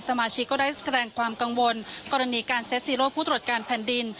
สมาชิกก็ได้แสดงความกังวลกรณีการเซ็ซีโร่ผู้ตรวจการแผ่นดิน